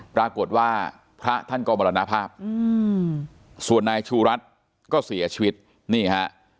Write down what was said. ปรากฏว่าพระท่านก็มรณภาพส่วนนายชูรัฐก็เสียชีวิตนี่ฮะ